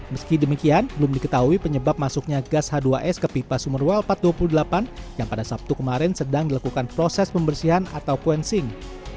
meski demikian belum diketahui penyebab masuknya gas h dua s ke pipa sumurwel empat ratus dua puluh delapan yang pada sabtu kemarin sedang dilakukan proses pembersihan atau quencing